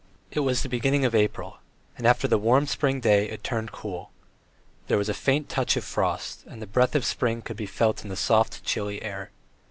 It was the beginning of April, and after the warm spring day it turned cool; there was a faint touch of frost, and the breath of spring could be felt in the soft, chilly air.